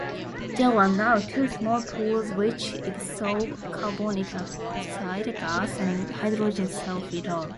There are now two small pools which exhale carbonic acid gas and hydrogen sulfide.